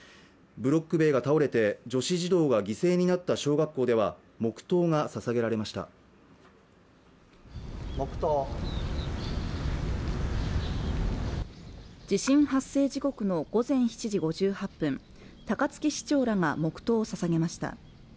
ブロック塀が倒れて女子児童が犠牲になった小学校では黙とうがささげられました地震発生時刻の午前７時５８分高槻市長らが黙とうをささげました